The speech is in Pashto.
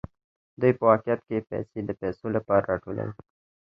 دوی په واقعیت کې پیسې د پیسو لپاره راټولوي